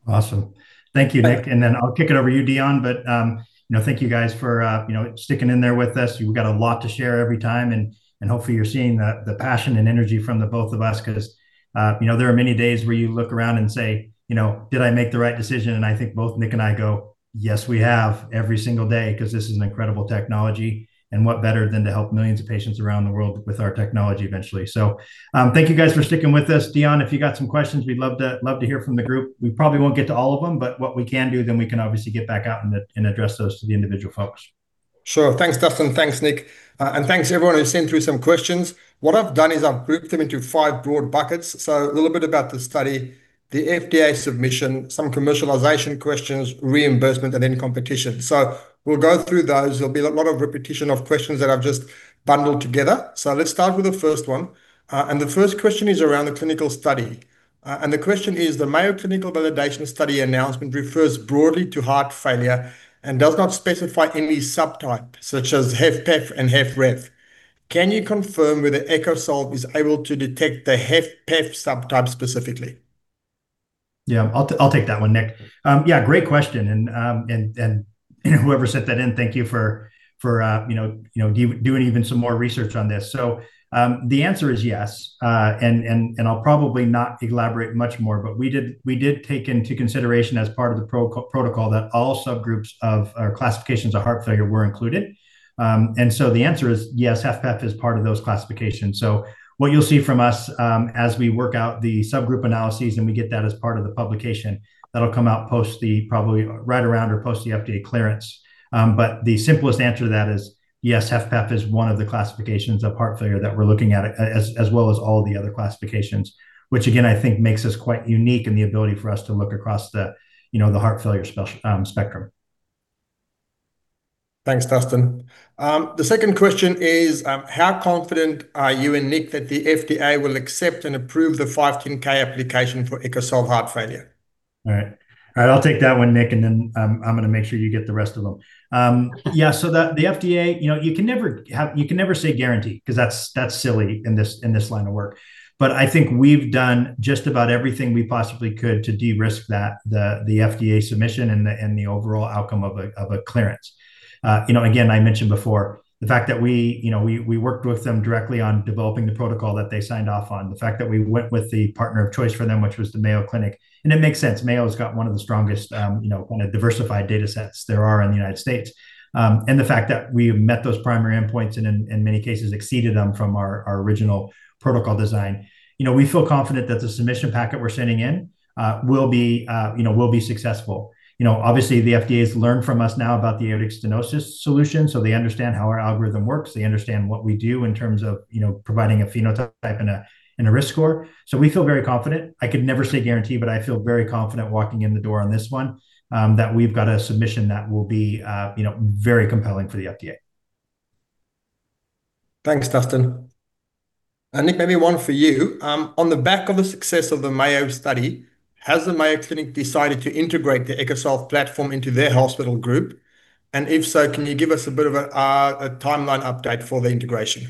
Awesome. Thank you, Nick. I will kick it over to you, Deon. Thank you guys for sticking in there with us. You have got a lot to share every time. Hopefully, you are seeing the passion and energy from the both of us because there are many days where you look around and say, "Did I make the right decision?" I think both Nick and I go, "Yes, we have every single day because this is an incredible technology." What better than to help millions of patients around the world with our technology eventually? Thank you guys for sticking with us. Deon, if you have some questions, we would love to hear from the group. We probably will not get to all of them. What we can do, we can obviously get back out and address those to the individual folks. Sure. Thanks, Dustin. Thanks, Nick. Thanks, everyone. We've seen through some questions. What I've done is I've grouped them into five broad buckets. A little bit about the study, the FDA submission, some commercialization questions, reimbursement, and then competition. We will go through those. There will be a lot of repetition of questions that I've just bundled together. Let's start with the first one. The first question is around the clinical study. The question is, the Mayo Clinical Validation Study announcement refers broadly to heart failure and does not specify any subtype such as HFpEF and HFref. Can you confirm whether EchoSolve is able to detect the HFpEF subtype specifically? Yeah, I'll take that one, Nick. Yeah, great question. Whoever sent that in, thank you for doing even some more research on this. The answer is yes. I'll probably not elaborate much more. We did take into consideration as part of the protocol that all subgroups of classifications of heart failure were included. The answer is yes, HFpEF is part of those classifications. What you'll see from us as we work out the subgroup analyses and we get that as part of the publication, that'll come out probably right around or post the FDA clearance. The simplest answer to that is yes, HFpEF is one of the classifications of heart failure that we're looking at as well as all the other classifications, which again, I think makes us quite unique in the ability for us to look across the heart failure spectrum. Thanks, Dustin. The second question is, how confident are you and Nick that the FDA will accept and approve the 510(k) application for EchoSolve heart failure? All right. All right. I'll take that one, Nick. Then I'm going to make sure you get the rest of them. Yeah, the FDA, you can never say guarantee because that's silly in this line of work. I think we've done just about everything we possibly could to de-risk the FDA submission and the overall outcome of a clearance. I mentioned before the fact that we worked with them directly on developing the protocol that they signed off on, the fact that we went with the partner of choice for them, which was the Mayo Clinic. It makes sense. Mayo has got one of the strongest kind of diversified data sets there are in the United States. The fact that we met those primary endpoints and in many cases exceeded them from our original protocol design. We feel confident that the submission packet we're sending in will be successful. Obviously, the FDA has learned from us now about the aortic stenosis solution. They understand how our algorithm works. They understand what we do in terms of providing a phenotype and a risk score. We feel very confident. I could never say guarantee, but I feel very confident walking in the door on this one that we've got a submission that will be very compelling for the FDA. Thanks, Dustin. Nick, maybe one for you. On the back of the success of the Mayo study, has the Mayo Clinic decided to integrate the EchoSolve platform into their hospital group? If so, can you give us a bit of a timeline update for the integration?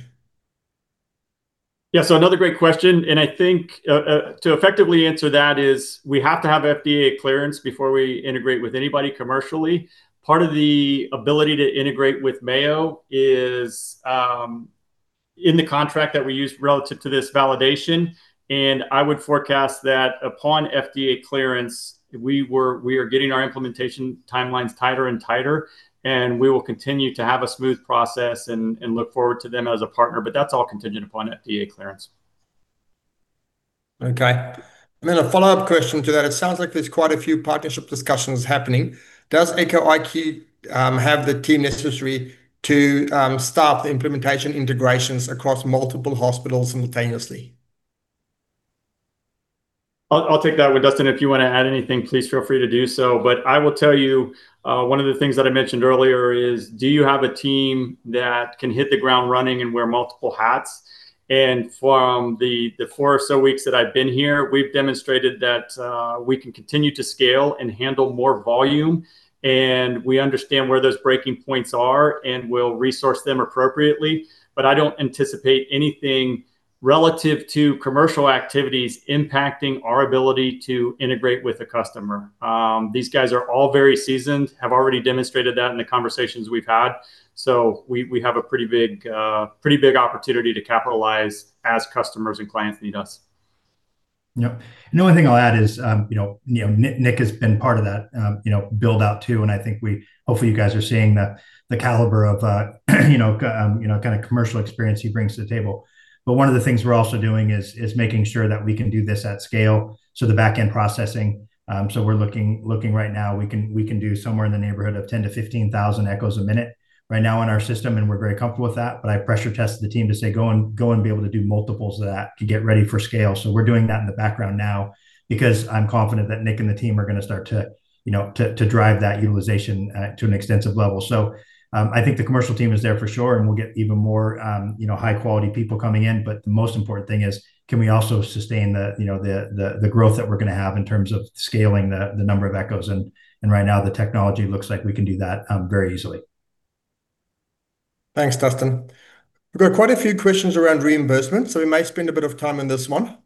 Yeah, so another great question. I think to effectively answer that is we have to have FDA clearance before we integrate with anybody commercially. Part of the ability to integrate with Mayo is in the contract that we use relative to this validation. I would forecast that upon FDA clearance, we are getting our implementation timelines tighter and tighter. We will continue to have a smooth process and look forward to them as a partner. That is all contingent upon FDA clearance. Okay. A follow-up question to that. It sounds like there's quite a few partnership discussions happening. Does Echo IQ have the team necessary to staff the implementation integrations across multiple hospitals simultaneously? I'll take that one. Dustin, if you want to add anything, please feel free to do so. I will tell you one of the things that I mentioned earlier is do you have a team that can hit the ground running and wear multiple hats? From the four or so weeks that I've been here, we've demonstrated that we can continue to scale and handle more volume. We understand where those breaking points are and will resource them appropriately. I don't anticipate anything relative to commercial activities impacting our ability to integrate with a customer. These guys are all very seasoned, have already demonstrated that in the conversations we've had. We have a pretty big opportunity to capitalize as customers and clients need us. Yep. The only thing I'll add is Nick has been part of that build-out too. I think hopefully you guys are seeing the caliber of kind of commercial experience he brings to the table. One of the things we're also doing is making sure that we can do this at scale. The back-end processing, we're looking right now, we can do somewhere in the neighborhood of 10,000-15,000 echoes a minute right now on our system. We're very comfortable with that. I pressure-tested the team to say, "Go and be able to do multiples of that to get ready for scale." We're doing that in the background now because I'm confident that Nick and the team are going to start to drive that utilization to an extensive level. I think the commercial team is there for sure. We will get even more high-quality people coming in. The most important thing is, can we also sustain the growth that we are going to have in terms of scaling the number of echoes? Right now, the technology looks like we can do that very easily. Thanks, Dustin. We've got quite a few questions around reimbursement. We may spend a bit of time on this one.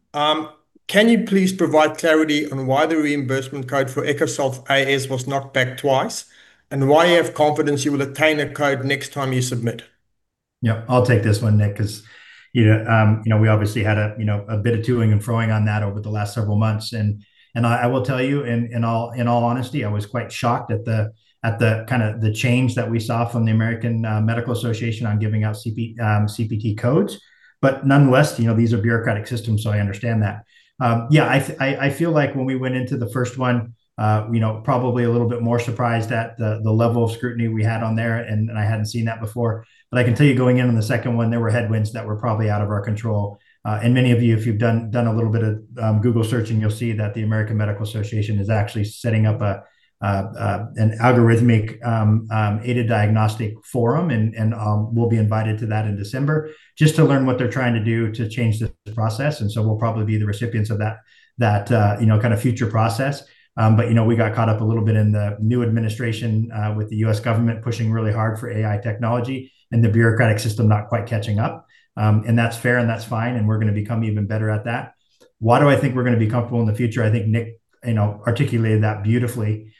Can you please provide clarity on why the reimbursement code for EchoSolve AS was knocked back twice and why you have confidence you will attain a code next time you submit? Yep. I'll take this one, Nick, because we obviously had a bit of toing and froing on that over the last several months. I will tell you, in all honesty, I was quite shocked at the kind of change that we saw from the American Medical Association on giving out CPT codes. Nonetheless, these are bureaucratic systems, so I understand that. I feel like when we went into the first one, probably a little bit more surprised at the level of scrutiny we had on there. I hadn't seen that before. I can tell you going in on the second one, there were headwinds that were probably out of our control. Many of you, if you've done a little bit of Google searching, you'll see that the American Medical Association is actually setting up an algorithmic aided diagnostic forum. We'll be invited to that in December just to learn what they're trying to do to change this process. We'll probably be the recipients of that kind of future process. We got caught up a little bit in the new administration with the U.S. government pushing really hard for AI technology and the bureaucratic system not quite catching up. That's fair. That's fine. We're going to become even better at that. Why do I think we're going to be comfortable in the future? I think Nick articulated that beautifully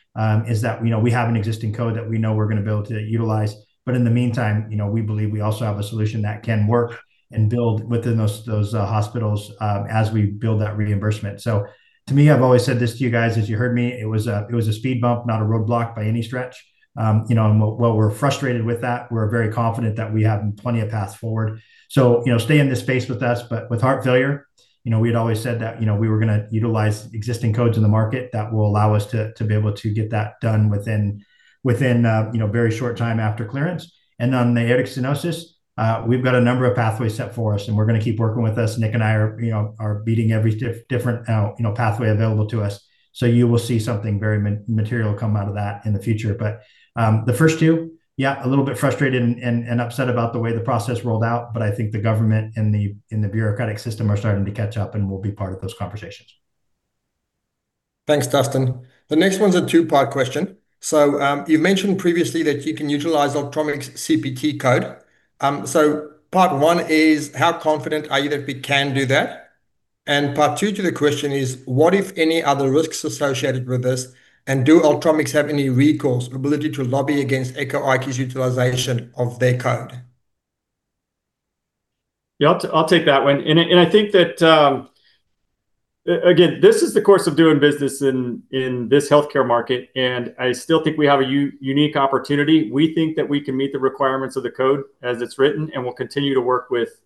is that we have an existing code that we know we're going to be able to utilize. In the meantime, we believe we also have a solution that can work and build within those hospitals as we build that reimbursement. To me, I've always said this to you guys, as you heard me, it was a speed bump, not a roadblock by any stretch. While we're frustrated with that, we're very confident that we have plenty of paths forward. Stay in this space with us. With heart failure, we had always said that we were going to utilize existing codes in the market that will allow us to be able to get that done within a very short time after clearance. On the aortic stenosis, we've got a number of pathways set for us. We're going to keep working with us. Nick and I are beating every different pathway available to us. You will see something very material come out of that in the future. The first two, yeah, a little bit frustrated and upset about the way the process rolled out. I think the government and the bureaucratic system are starting to catch up and will be part of those conversations. Thanks, Dustin. The next one's a two-part question. You mentioned previously that you can utilize Ultramix CPT code. Part one is, how confident are you that we can do that? Part two to the question is, what if any other risks are associated with this? Do Ultramix have any recourse ability to lobby against Echo IQ's utilization of their code? Yeah, I'll take that one. I think that, again, this is the course of doing business in this healthcare market. I still think we have a unique opportunity. We think that we can meet the requirements of the code as it's written. We'll continue to work with,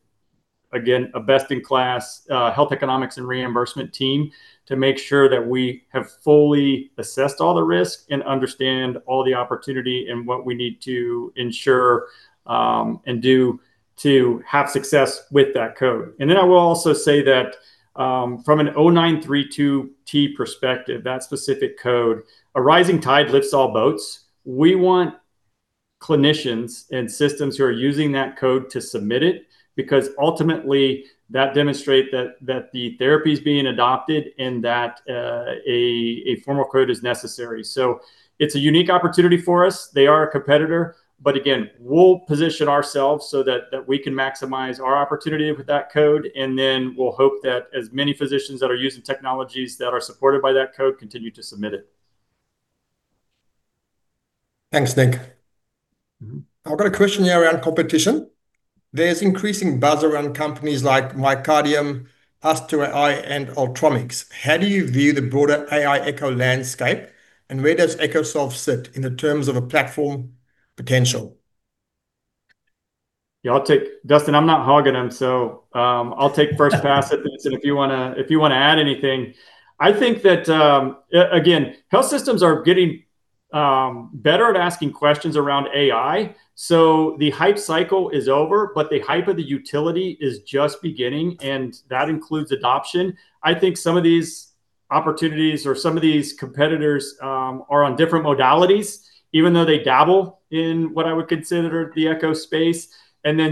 again, a best-in-class health economics and reimbursement team to make sure that we have fully assessed all the risks and understand all the opportunity and what we need to ensure and do to have success with that code. I will also say that from an 0932T perspective, that specific code, a rising tide lifts all boats. We want clinicians and systems who are using that code to submit it because ultimately, that demonstrates that the therapy is being adopted and that a formal code is necessary. It's a unique opportunity for us. They are a competitor. Again, we'll position ourselves so that we can maximize our opportunity with that code. Then we'll hope that as many physicians that are using technologies that are supported by that code continue to submit it. Thanks, Nick. I've got a question here around competition. There's increasing buzz around companies like MyCardium, Aster AI, and Ultramix. How do you view the broader AI Echo landscape? Where does EchoSolve sit in the terms of a platform potential? Yeah, I'll take Dustin. I'm not hogging them. I'll take first pass at this if you want to add anything. I think that, again, health systems are getting better at asking questions around AI. The hype cycle is over. The hype of the utility is just beginning. That includes adoption. I think some of these opportunities or some of these competitors are on different modalities, even though they dabble in what I would consider the Echo space.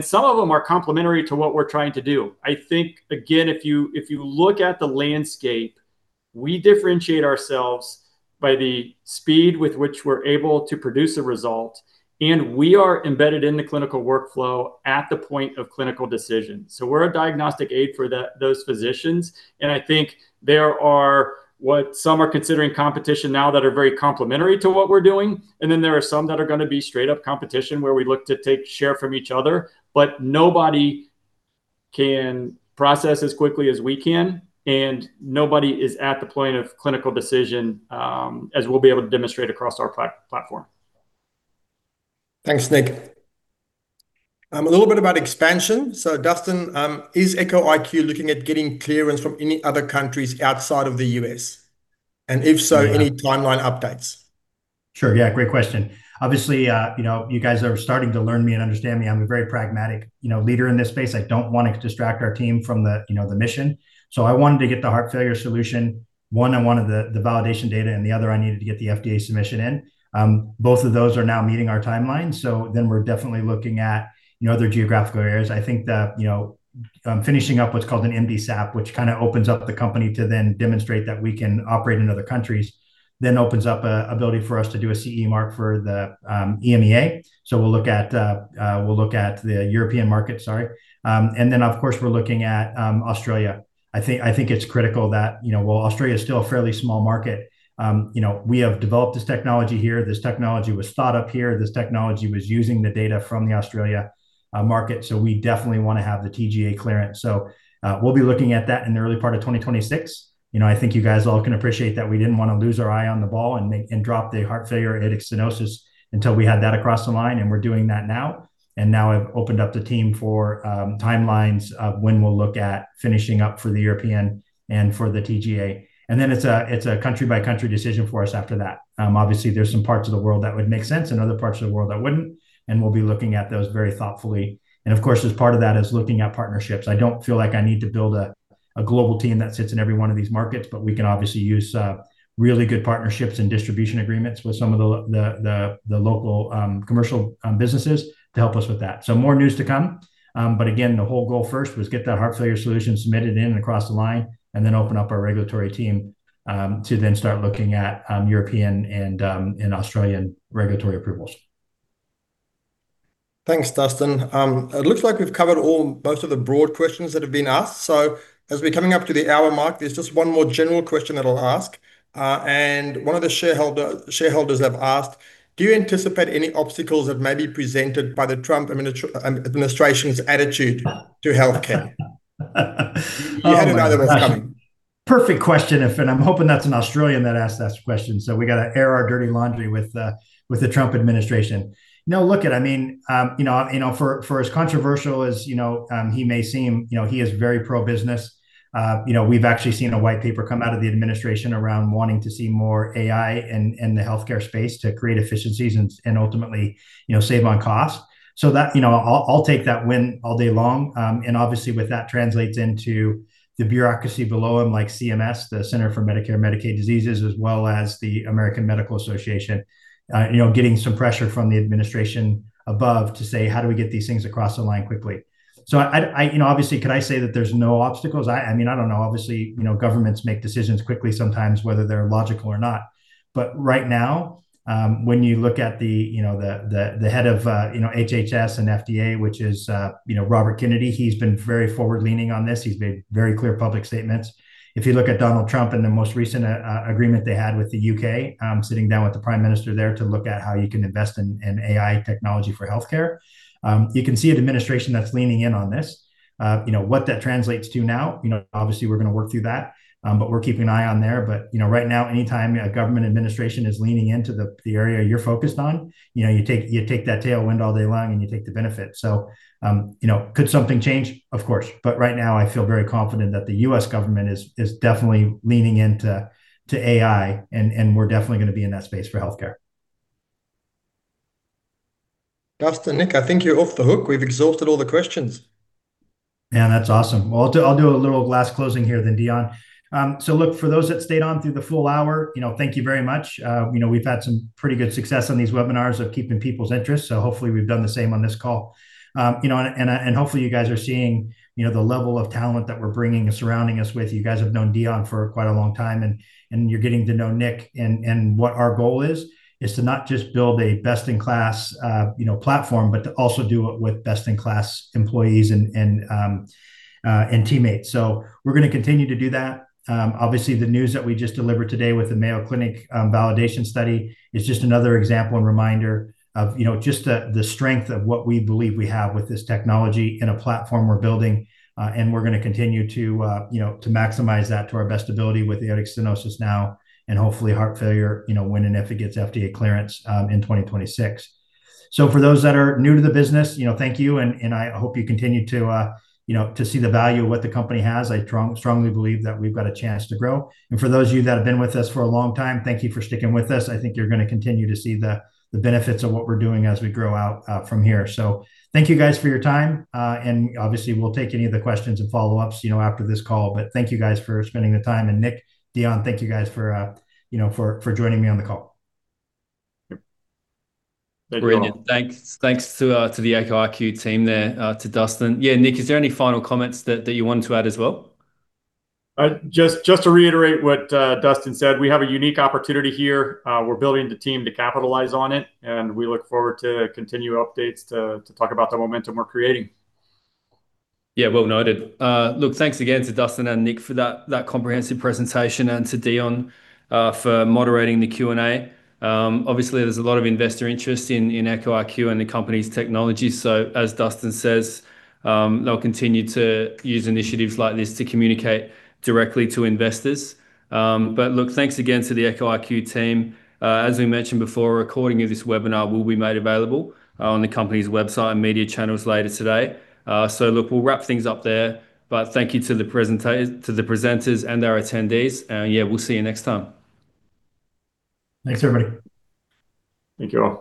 Some of them are complementary to what we're trying to do. I think, again, if you look at the landscape, we differentiate ourselves by the speed with which we're able to produce a result. We are embedded in the clinical workflow at the point of clinical decision. We're a diagnostic aid for those physicians. I think there are what some are considering competition now that are very complementary to what we're doing. There are some that are going to be straight-up competition where we look to take share from each other. Nobody can process as quickly as we can. Nobody is at the point of clinical decision as we'll be able to demonstrate across our platform. Thanks, Nick. A little bit about expansion. Dustin, is Echo IQ looking at getting clearance from any other countries outside of the US? If so, any timeline updates? Sure. Yeah, great question. Obviously, you guys are starting to learn me and understand me. I'm a very pragmatic leader in this space. I don't want to distract our team from the mission. I wanted to get the heart failure solution one on one of the validation data. The other, I needed to get the FDA submission in. Both of those are now meeting our timeline. We are definitely looking at other geographical areas. I think finishing up what's called an MDSAP, which kind of opens up the company to then demonstrate that we can operate in other countries, then opens up an ability for us to do a CE mark for the EMEA. We will look at the European market, sorry. Of course, we're looking at Australia. I think it's critical that while Australia is still a fairly small market, we have developed this technology here. This technology was thought up here. This technology was using the data from the Australia market. We definitely want to have the TGA clearance. We'll be looking at that in the early part of 2026. I think you guys all can appreciate that we didn't want to lose our eye on the ball and drop the heart failure aided stenosis until we had that across the line. We're doing that now. Now I've opened up the team for timelines of when we'll look at finishing up for the European and for the TGA. It is a country-by-country decision for us after that. Obviously, there are some parts of the world that would make sense and other parts of the world that wouldn't. We will be looking at those very thoughtfully. Of course, as part of that is looking at partnerships. I do not feel like I need to build a global team that sits in every one of these markets. We can obviously use really good partnerships and distribution agreements with some of the local commercial businesses to help us with that. More news to come. The whole goal first was get that heart failure solution submitted in and across the line and then open up our regulatory team to then start looking at European and Australian regulatory approvals. Thanks, Dustin. It looks like we've covered most of the broad questions that have been asked. As we're coming up to the hour mark, there's just one more general question that I'll ask. One of the shareholders has asked, do you anticipate any obstacles that may be presented by the Trump administration's attitude to healthcare? You had another one coming. Perfect question. I'm hoping that's an Australian that asked that question. We got to air our dirty laundry with the Trump administration. No, look at it. I mean, for as controversial as he may seem, he is very pro-business. We've actually seen a white paper come out of the administration around wanting to see more AI in the healthcare space to create efficiencies and ultimately save on costs. I'll take that win all day long. Obviously, that translates into the bureaucracy below him, like CMS, the Centers for Medicare and Medicaid Services, as well as the American Medical Association, getting some pressure from the administration above to say, how do we get these things across the line quickly? Obviously, can I say that there's no obstacles? I mean, I don't know. Obviously, governments make decisions quickly sometimes, whether they're logical or not. Right now, when you look at the head of HHS and FDA, which is Robert Califf, he's been very forward-leaning on this. He's made very clear public statements. If you look at Donald Trump and the most recent agreement they had with the U.K., sitting down with the Prime Minister there to look at how you can invest in AI technology for healthcare, you can see an administration that's leaning in on this. What that translates to now, obviously, we're going to work through that. We're keeping an eye on there. Right now, anytime a government administration is leaning into the area you're focused on, you take that tailwind all day long and you take the benefit. Could something change? Of course. Right now, I feel very confident that the U.S. government is definitely leaning into AI. We're definitely going to be in that space for healthcare. Dustin, Nick, I think you're off the hook. We've exhausted all the questions. Yeah, that's awesome. I'll do a little last closing here then, Deon. Look, for those that stayed on through the full hour, thank you very much. We've had some pretty good success on these webinars of keeping people's interest. Hopefully, we've done the same on this call. Hopefully, you guys are seeing the level of talent that we're bringing and surrounding us with. You guys have known Deon for quite a long time. You're getting to know Nick. What our goal is, is to not just build a best-in-class platform, but to also do it with best-in-class employees and teammates. We're going to continue to do that. Obviously, the news that we just delivered today with the Mayo Clinic validation study is just another example and reminder of just the strength of what we believe we have with this technology and a platform we're building. We are going to continue to maximize that to our best ability with aortic stenosis now and hopefully heart failure when and if it gets FDA clearance in 2026. For those that are new to the business, thank you. I hope you continue to see the value of what the company has. I strongly believe that we've got a chance to grow. For those of you that have been with us for a long time, thank you for sticking with us. I think you're going to continue to see the benefits of what we're doing as we grow out from here. Thank you guys for your time. Obviously, we'll take any of the questions and follow-ups after this call. Thank you guys for spending the time. Nick, Deon, thank you guys for joining me on the call. Brilliant. Thanks to the Echo IQ team there, to Dustin. Yeah, Nick, is there any final comments that you wanted to add as well? Just to reiterate what Dustin said, we have a unique opportunity here. We're building the team to capitalize on it. We look forward to continued updates to talk about the momentum we're creating. Yeah, well noted. Look, thanks again to Dustin and Nick for that comprehensive presentation and to Deon for moderating the Q&A. Obviously, there's a lot of investor interest in Echo IQ and the company's technology. As Dustin says, they'll continue to use initiatives like this to communicate directly to investors. Look, thanks again to the Echo IQ team. As we mentioned before, a recording of this webinar will be made available on the company's website and media channels later today. We'll wrap things up there. Thank you to the presenters and their attendees. Yeah, we'll see you next time. Thanks, everybody. Thank you all.